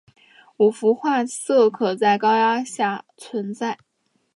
五氟化铯可在高压下存在。